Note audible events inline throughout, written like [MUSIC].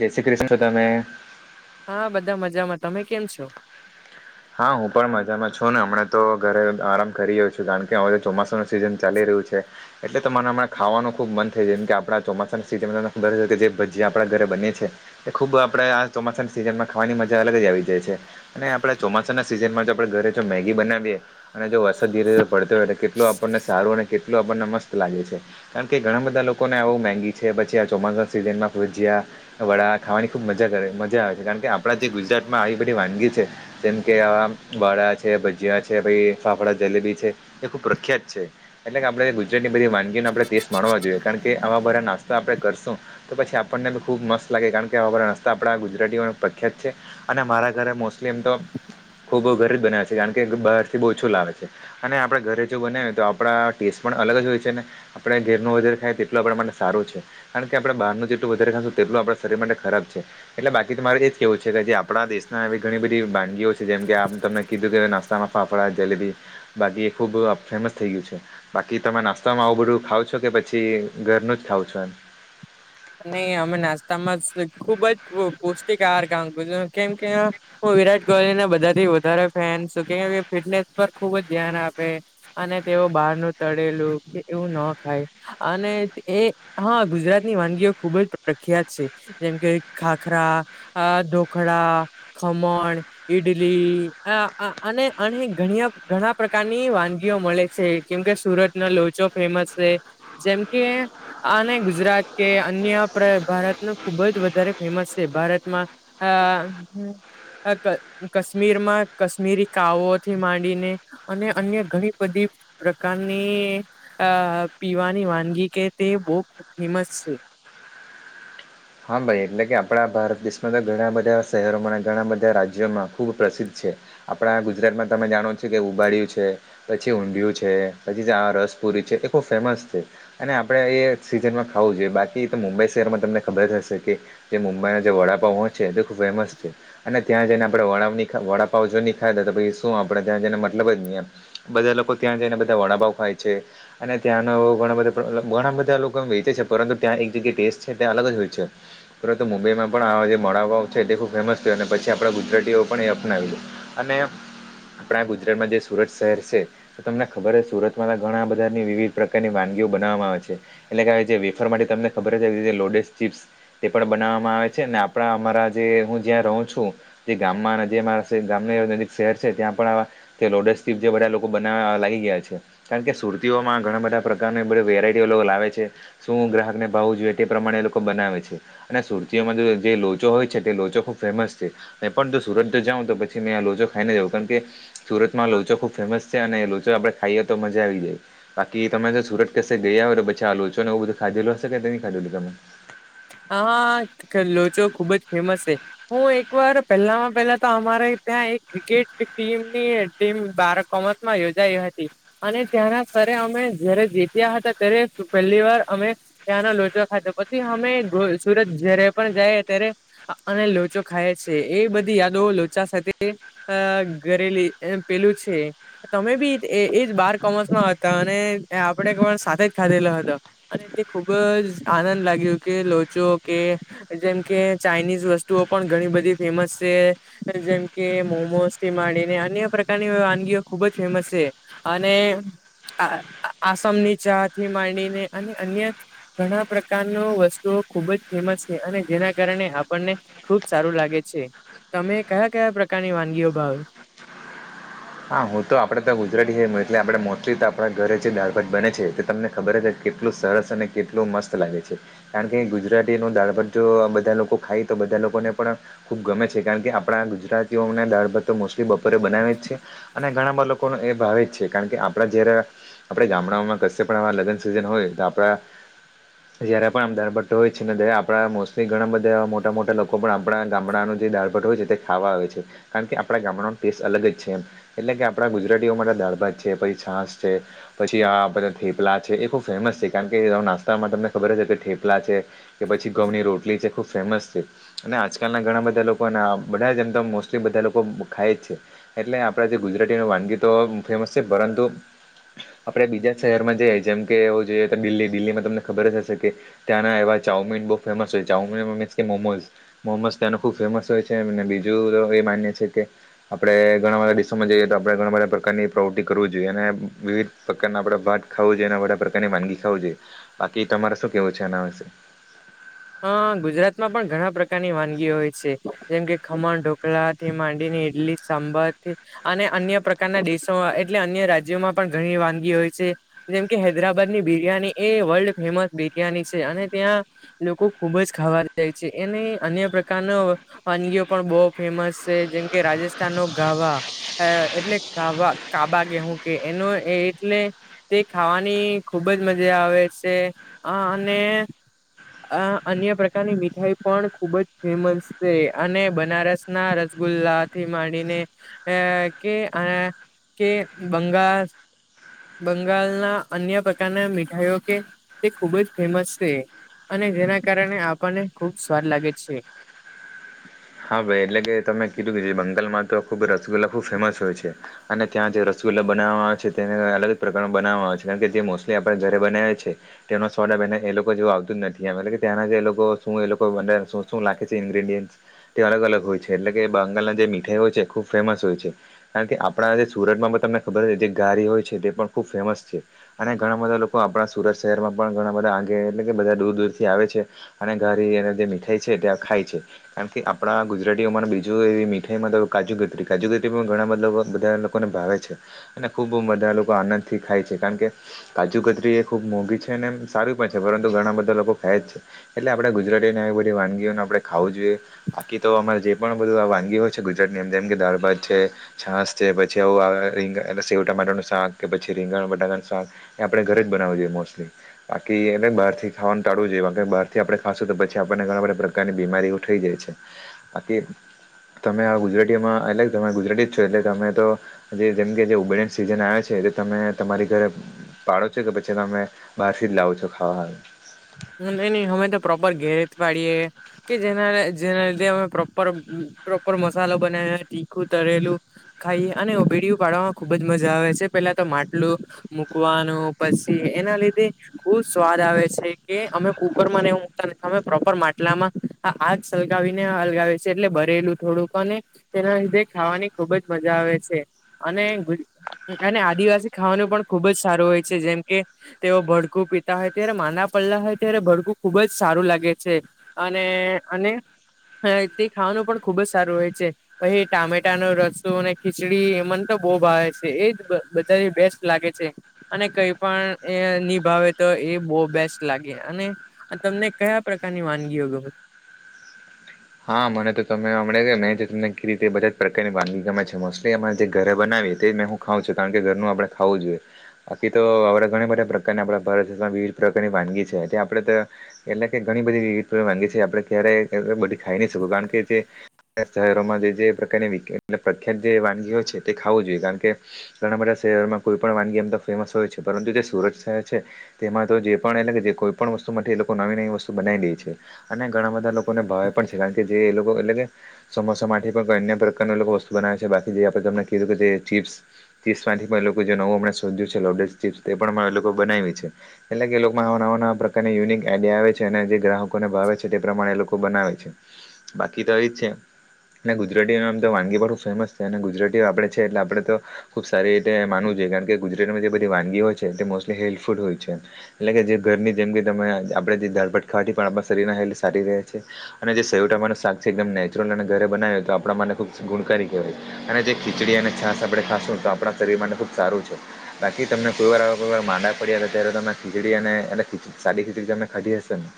જય શ્રી કૃષ્ણ દમમે હા બધા મજામાં તમે કેમ છો? હા હું પણ મજામાં છું ને હમણા તો ઘરે આરામ કરી રહ્યો છું કારણ કે હવે તો ચોમાસું સિઝન ચાલી રહ્યું છે. એટલે તો મને હણાં ખાવાનું ખૂબ મન થાય જેમ કે આપણા ચોમાસાની સિઝનમાં તમને ખબરશે કે જે ભજીયા આપણા ઘરે બને છે. એ ખુબ આપડે આ ચોમાસાની સિઝનમાં ખાવાની મજા અલગ જ આવી જાય છે અને આપડે ચોમાસાના સિઝનમાં જો આપણે ઘરે જો મેગી બનાવીએ અને જો વરસાદ ધીરે ધીરે પડતો હોય તો કેટલો આપણને સારું કેટલું આપણને મસ્ત લાગે છે, કારણ કે ઘણા બધા લોકોને આવુ મેગી છે પછી ચોમાસા સીઝનમા ભજીયા, વડા ખાવાની ખુબ મજા કરે મજા આવે છે, કારણ કે આપડા જે ગુજરાતમાં આવી બધી વાનગી છે. જેમ કે આવા વાડા છે, ભજીયા છે, પહી ફાફડા જલેબી છે એ ખૂબ પ્રખ્યાત છે. એટલે કે આપણે ગુજરાતની બધી વાનગીઓનો આપણે ટેસ્ટ માણવા જોઈએ કારણ કે આવા બધા નાસ્તા આપણે કરશું તો પછી આપણને ને બ ખૂબ મસ્ત લાગે કારણ કે આ નાસ્તા આપણા ગુજરાતીઓને પ્રખ્યાત છે અને મારા ઘરે મોસ્ટલી એમ તો [INAUDIBLE] ખૂબ ઘરે જ બનાવે છે કારણ કે બહારથી બહુ ઓછું લાવે છે અને આપણે ઘરે જો બનાવીએ તો આપણા ટેસ્ટ પણ અલગ અલગ જ હોય છે ને આપણે ઘેર નુ વધારે ખાયએ તેટલું આપણા માટે સારું છે કારણ કે આપણેે બહારનું જેટલું વધારે ખાશું તેટલું આ શરીર માટે ખરાબ છે, એટલે બાકી તમારે એ જ કેવું છે કે જે આપણા દેશના ઘણી બધી વા પંખીઓ છે, જેમ કે આમ તમને કીધું કે નાસ્ સ્તામાં ફાફડા જલેબી બાકી એ ખૂબ ફેમસ થઈ ગયું છે, બાકી તમે નાસ્તામાં આવું બધું ખાવ છો કે પછી ઘરનું જ ખાવં છો એમ નહી અમે નાસ્તામાં ખુબ જ પો પૌષ્ટિક આહાર ખામ કેમ કે વિરાટ કોહલીને બધાથી વધારે ફેન શ કહીએ ને કેફિટનેસ પર ખુબ જ ધ્યાન આપે અને વ બહાર નુ તળેલું કે એવું ના ખાય અને એ હા ગુજરાત ની વાનગી ખુબ જ પ્રખ્યાત છે, જેમ કે ખાખરા, ઢોકળા, ખમણ ઈડલી આ અને અને અ ઘણી ઘણા પ્રકારની વાનગીઓ મળે છે. કેમકે સુરત નો લોચો ફેમસ છે, જેમ કે આને ગુજરાત કે અન્ય આપરે ભારતનું ખુબ જ વધારે ફેમસ છે ભારતમાં આ કાશ્મીર માં કાશ્મીરી કાવોથી માંડીને અને અન્ય ઘણી બધી પ્રકારની અ પીવાની વાનગી કે તે બહુ ફેમસ શ હા ભાઈ એટલે કે આપણા ભારત દેશમાં તો ઘણા બધા શહેરોમાં ઘણા બધા રાજ્યોમાં ખુબ પ્રસિદ્ધ છે. છે આપણા ગુજરાતમાં તમે જાણો છો કે ઉબાડ્યું છે, પછી ઊઢિયું છે, પછી આ રસ પુરી છે એ ખૂબ ફેમસ છે અને આપડણે એ સીઝનમાં ખાવું જોઈએ બાકી તો મુંબઈ શહેરમાં તમને ખબર હશે કે જે મુંબઈના જે વડાપાવ હો છે તે ખૂબ ફેમસ છે અને ત્યાં જઈને આપણે વડાની ખ વડાપાવ જો નહીં ખાયા તો પછી શું આપડે ત્યાં જઈને મતલબ જ હી બધા લોકો ત્યાં જઈને બધા વડાપાવ ખાય છે છે અને ત્યાંનો ઘણા બધા ઘણા બધા લોકો વેચે છે પરંતુ ત્યાં એક જગ્યા ટેસ્ટ છે ત્યા અલગ જ હોય છે તરત મુંબઈ માં પણ આ જે મડાવાઓ છે તે ખુબ ફેમસ થયું અને પછી આપડા ગુજરાતીઓ પણ એ અપનાવી લ અનેને આપણા ગુજરાતમાં જે સુરત શહેર છે તો તમને ખબર છે સુરતમાં ઘણા બધાની વિવિધ પ્રકારની વાન જી બનવા માં આવે છે એટલે કે વેફર માટે તમને ખબર ચપ્ પણ બનાવવામાં આવે છે આપણા અમારા જે હું જ્યાં રહું છું જે ગામમાં જે ગામ નજીક શહેર છે ત્યાં પણ લોડસ જે બધા લોકો બનાવ લી ગયા છે કારણ કે સુરતીઓમાં ઘણા બધા પ્રકારનું એ બધી વેરાયટીઓ લોકો લાવે છે શું ગ્રાહકને ભાવું જોઈએ તે પ્રમાણે એ લોકો બનાવે છે અને સુરતીઓમાં તો જે લોચો હોય છે તે લોચો ખૂબ ફેમસ છે મે પણ સુરત જાઉં તોછીં આ લોચો ખાઈને જાઉં કારણ કે સુરતમાં લોચો ખૂબ ફેમસ છે અને લોચો આપણે ખાઈએ તો તો મજા આવી જાય બાકી તમે જો સુરત કશે ગયા હો બ પછી આ લોચો નેું બધુંાધેું હશે કે ખાધેલું [UNINTELLIGIBLE] હા લોચો ખુબ જ ફેમસ છે હું એક વાર પહેલામાં પહેલા તો અમારે ત્યાં એક ક્રિકેટ ટીમની ટીમ બારકોમતમાં યોજાઈ હતી અને ત્યાંના અમે જારે જીત્યા હતા ત્યારે પહેલી વાર અમે ત્યાંના લોચવા ખાધો પછી અમે સુરત જય્યારે પણ જાય ત્યારે અને લોચો ખાય છે એ બધી યાદો લોચા સાથે અ ઘરેલી પેલું છે તમે બી એજ બાર કોમર્સમાં હતા અને આપડે પણ સાથે જ ખાધેલો હતો અને તે ખુબ જ આનંદ લાગ્યો કે લો કે જેમ કે ચાઇનીઝ વસ્તુઓ પણ ઘણી બધી ફેમસ છે જેમકે તે મોમોજ થી માંડીને અન્ય પ્રકારની વાનગીઓ ખુબ જ ફેમસ છે અને આ આસામની ચા થી માંડીને અને અન્ય ઘણા પ્રકાર ન વસ્તુ ખુબ જ ફેમસ છે અને જેના કારણે આપણને ખુબ સારું લાગે છે તમે કયા કયા પ્રકારની વાનગી ઉભાવ [UNINTELLIGIBLE] હા હું તો આપડે તો ગુજરાતી છે એટલે આપે મોસ્ટલી તો આપણા ઘરે જે દળ ભાત બને છે તે તમને ખબર જ કેટલું સરસ અને કેટલું મસ્ત લાગે છે કારણ કે ગુજરાતી ન દાળ ભત જો બધા લોકો ખાય તો બધા લોકોને પણ ખૂબ ગમે છે કારણ કે આપણા ગુજરાતીઓના દાળબત્ મોસ્ટલી બનાવે છે અને ઘણા બા લોકો લોકો એ ભાવે જ છે કારણ કે આપણા જયારે આપણે ગામડાઓમાં કશે પણ આવા લગ્ન સઝન હોય તો આપણા જયારે પણ આમદાર ભટ્ટો હોય છે ને આપણા મોસ્ટલી ઘણા બધા મોટા મોટા લોકો પણ આપણા ગામડાનું જે દાળભટ હોય છે તે ખાવા આવે છે કારણ કે આપણા ગામડાનો ટેસ્ટ અલગ જ છે એમ એટલે કે આપડા ગુજરાતીઓ માટે દારભત છે પછી છાસ છે પછી આ થેપલા છે એ ખુબ ફેમ ફેમસ છે કારણ કે નાસ્તામાં તમને ખબર છે કે ઠેપલા છે કે પછી ઘઉંની રોટલી છે ખુબ ફેમસ છે અને આજકાલના ઘણા બધા લોકો બધા જમ તો મોસ્ટલી બધા લોકો ખાય જ છે એટલે આપ જે ગુજરાતીની વાનગી તો ફેમસ છે પરંતુ આપડે બીજા જ શહેરમાં જઈએ જેમ કે એ જોઈએ તો દિલ્હી દિલ્હીમાં તમને ખબર જ હશે કે ત્યાંના એવા ચાઊમીન બહુ ફેમસ હોય ચઉમીન મીસ કે મોમો મોમોઝ ત્યા ખુબ ફેમસ હોય છે બીજું એમ કે આપડે ઘણા બધા સમઈએ તો આપડણે ઘણા બધા પ્રકારની પ્રવૃત્તિ કરવી જોઈએ અને વિવિધ પ્રકારના આપડે ભત ખાવું જોઈએ અને બધા પ્રકારની વાનગી ખું જોઈએ બાકી તમારે શું કેવું છે એના વિશે હાં ગુજરાત માં પણ ઘણા પ્રકારની વાનગી હોય છે જેમ કે ખમણ ઢોકળાથી માંડી ઈડલી સાંભર અને અન્ય પ્રકારના દેશો એટલે અન્ય રાજ્યો માં પણ ઘણી વાનગી હોય જેમકે હૈદરાબાદ ની બિરિયાની એ વર્લ્ડ ફેમસ બિરિયાની છે અને ત્યાં લોકો ખુબ જ ખાવા જાય છે એને અન્ય પ્રકાર ન વાનગીઓ પણ બહુ ફેમસ છે જેમ કે રાજસ્થાન ન ગાવા એટલે ગાવા કાબા ગેહું કે એનો એટલે તે ખાવાની ખુબ જ મજા આવે છે આ અને આ અન્ય પ્રકારની મીઠાઈ પણ ખુબ જ ફેમસ છે અને બનારસના રસગુલ લા થી માંડીને અ કે આ કે બંગાળ બંગાલના અન્ય પ્રકારના મીઠાઈઓ કે તે ખૂબ જ ફેમસ છે. અને જેના કારણે આપણને ખૂબ સ્વાદ લાગે છે. હા ભાઈ એટલે કે તમે કીધું કે જે બંગાળમાં તો ખુબ રસગુલ્લા ખુબ ફેમસ હોય છે અને ત્યાં જે રસ ગુલ્લા બનાવવામાં આવે છે તેને અલગ જ પ્રકારમાં બનાવામાં આવે છે કારણ કે જે મોસ્ટલી આપણે ઘરે બનાવીએ છીએ તેનો સ્વાદ એ લોકો જેવું આવતું જ નથી એમ એટલે કે ત્યાંના જે એ લોકો શું એ અંદર લોકો શું શું લાખે છે ઈન્ગ્રીડિયન્ટ્સ તે અલગ અલગ હોય છે એટલે કે બંગાળના જે મીઠાઈ હોય છે ખૂબ ફેમસ હોય છે કારણ કે આપણા જે સુરતમાં તમે ખબર જે ઘારી હોય છે તે પણ ખુબ ફેમસ છે અને ઘણા બધા લોકો આપણા સુરત શહેરમાં પણ ઘણા બધા કારણ કે એટલે કે બધા દૂર દૂર મથી આવે છે અને ઘારી એ જે મીઠાઈ છે ખાય છે એમ કે આપણા ગુજરાતીઓમાં બીજું એવી મીઠાઈમાં કાજુકતરી કાજુકતરીમાં પણ ઘણા બધા લોકોને ભાવે છે ખુબ બધા લોકો આનંદથી ખાય છે કારણ કે કાજુકતરી એ ખુબ મોંઘી છે ને સારી પણ છે પરંતુ ઘણા બધા લોકો ખાય જ છે એટલે આપણેે ગુજરાતીને આવી બધી વાનગીઓને આપણે ખાવું જોઈએ. બાકી તો અમારે જે પણ બધું વાનગી હોય છે ગુજરાતની જેમ કે દાળભાત છે, છાસ છે પછી આવું આવે રીંગણ એટલે સેવ ટમાટરનું શાક કે પછી રીંગણ બટાકાનું શાક એ આપણે ઘરે જ બનાવું જોઈએ મોસ્ટલી બાકી એટલે બહારથી ખાવાનું ટાળું જોઈએ કારણ કે બહારથી આપણે ખાશું તો પછી આપણને ઘણા બધા પ્રકારની બીમારીઓ થઈ જાય છે. બાકી તમે આ ગુજરાતીમાં એમાં એટલે તમે ગુજરાતી જ છો એટલે તમે તો જે જેમ કે જે ઉબાળિયાની સિઝન આવે છે એટલે તમે તમારી ઘરે પાડો છો કે પછી તમે બહારથી જ લાવો છો ખાવા હારુ? નહીં નહીં અમે તો પ્રોપર ઘેરે જ પાડીએે કે જેના જેના લીધે અમે પ્રોપર પ્રોપર મસાલો બનાવ્યા તીખું તરેલું ખાઈ અને ઉબાળિયુ પાડવામાં ખુબ જ મજા આવે છે પહેલા તો માટલું મૂકવાનું પછી એના લીધે ખુબ સ્વાદ આવે છે. કે અમે કુકરમાં ને એવું મુકતા નથી અમે પ્રોપર માટલામાં આ આગ સલગાવીને હલગાવે છે એટલે બ રહેલું થોડુંક અને તેના લીધે ખાવાની ખુબ જ મજા આવે છે અને ગુ અને આદિવાસી ખાવાનું પણ ખુબ જ સારું હોય છે જેમ કે તેઓ ભડકું પીતા હોય ત્યારે માના પડલા હોય ત્યારે ભડકું ખુબ જ સારું લાગે છે અને અને હ તે ખાવાનું પણ ખુબ જ સારું હોય છે પછી ટામેટાનો રસો અને ખીચડી એ મન તો બહુ ભાવે છે એ જ બધાની બેસ્ટ લાગે છે અને કઈ પણ એ ની ભાવે તો એ બો બેસ્ટ લાગે અને તમને કયા પ્રકારની વાનગીઓ ગમે? હા મને તો તમે અમડે મેં તમને કીધી રીતે બધા જ પ્રકારની વાનગી ગમે છે મોસ્ટલી અમાર જે ઘરે બનાવે તે જ મેં હું ખાાવં છે કારણ કે ઘરનું આપણે ખાવું જોઈએ. બાકી તો આપણા ઘણી બધા પ્રકાર આપણા ભારત દેશમાં વિવિધ પ્રકારની વાનગી છે એ આપણે એટલે કે ઘણી બધી વિવિધ વાનગી છે આપણે ક્યારેય બધી ખાઈ નહીં શકું કારણ કે તે શહેરોમાં જે તે પ્રકારની પ્રખ્યાત જે વાનગી હોય છે તે ખાવું જોઈએ કારણ કે ઘણા બધા શે માં કોઈ પણ વાનગી એમ તો ફેમસ હોય છે પરંતુ જે સુરત શહેર છે તેમાં તો જે પણ એટલે કે જે કોઈ પણ વસ્તુ માથી એ લોકો નવી નવી વસ્તુ બનાઈ દેય છે અને ઘણા બધા લોકોને ભાવે પણ છે કારણ કે જે એ લોકો એટલે કે સમોસા માટે પણ અન્ય પ્રકાર લોકો વસ્તુ બનાવે છે બાકી જે આપણે તમને કીધું કે જે ચીપ્સ ચિપ્સમાંથી પણ લોકો જે નવું અમણા શોધ્યું છે લોડેડ ચિપ્સ પણ લોકો બનાવી છે એટલે કે એ લોકમા આ નવા નવા પ્રકારની યુનિક આઈડિયા આવે છે અને જે ગ્રાહકોને ભાવે છે તે પ્રમાણે એ લોકો બનાવે છે. બાકી તો એ જ છે એટલે ગુજરાતીઓ આમ તો વાનગી બધું ફેમસ છે અને ગુજરાતીઓ આપડે છે એટલે આપડે તો ખુબ સારી રીતે માનવું જોઈએ કારણ કે ગુજરાતમાં જે બધી વાનગી હોય છે તે મોસ્ટલી હેલ્ફુડ હોય છે એટલે કે જે ઘરની જેમ કે તમે આપણે જે દાળભાત ખાવાથી પણ આપણા શરીરના હેલ્થ સારી રહે છે. અને જે સેવટમાટરનુ શાક છે એકદમ નેચરલ અને ઘરે બનાવે હોય તો આપણા મને ખુબ ગુણકારી કહેવાય અને જે ખીચડી છાસ આપણે ખાશું તો આપણા શરીર માટે ખુબ સારું છે બાકી તમને કોઈ વાર અવે કોઈ વાર માંદા પડ્યા હતા ત્યારે ખીચડી અને એટલે ખી સાદી ખીચડી તમે ખાધી હશે ને!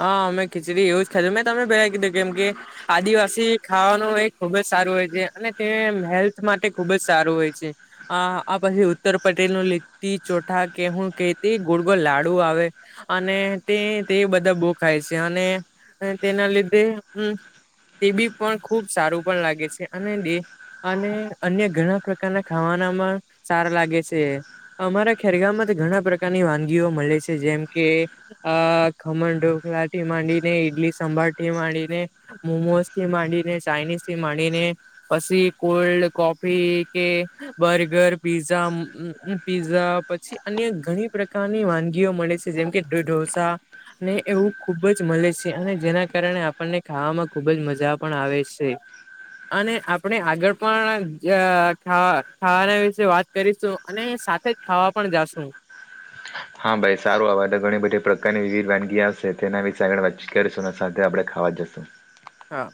હ, મેં ખીચડી એવું જ ખાધું મે તમે પહેલા કીધું કેમ કે આદિવાસી ખાવાનું એ ખૂબ જ સારું હોય છે અને તે હેલ્થ માટે ખુબ જ સારું હોય છે આ આ પછી ઉત્તર પટે નું લીટી ચોથા કે હું કે તે ગુડગો લાડુ આવે અને તે તે બધ તે બો ખાય છે અને તેના લીધે હમ તે બી પણ ખુબ સારું પણ લાગે છે અને અને અન્ય ઘણા પ્રકારના ખાવાનામાં સારા લાગે છે અમારા ખેરગામમાં તો ઘણા પ્રકારની વાનગીઓ મળે છે જેમ કે અ ખમણ ઢોકલા થી માંડી ને ઈડલી સાભાર થી માંડીને મોમોઝ થી માંડીને ચાઇનીઝ સે માંડી ને પછી કોલ્ડ કોફી કે બર્ગર પીઝા પીઝા પછી અન્ય ઘણી પ્રકારની વાનગીઓ મળે છે જેમકે ઢો ઢોસા ને એવું ખુબ જ મળે છે અને જેના કારણે આપણને ખાવામાં ખુબ જ મજા પણ આવે છે કે અને આપણે આગળ પણ જ અ ખાવા ખાવાના વિશે વાત કરીશું અને સાથે જ ખાવા પણ જાશું હ [INAUDIBLE] હા ભાઈ સારું આવે થી તો ઘણી બધી પ્રકારની વિવિધ વાનગી આવશે તેના વિશેે આગળ વાતચીત કરીશું સાથે આપણે ખા તવાજસ હા